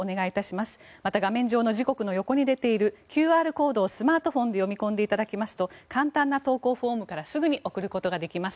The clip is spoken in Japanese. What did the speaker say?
また、画面上の時刻の横に出ているＱＲコードをスマートフォンで読み込んでいただきますと簡単な投稿フォームからすぐに送ることができます。